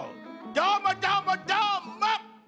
どーもどーもどーもっ！